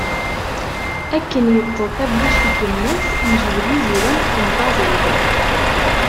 Akken yeṭṭeḍ tabbuct n yemma-s, yejbed iziran n tfenṭazit.